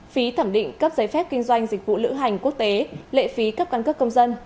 phí thẩm định cấp giấy phép kinh doanh dịch vụ lữ hành quốc tế lệ phí cấp căn cước công dân